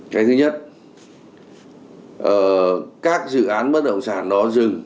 cái thứ nhất các dự án bất động sản nó dừng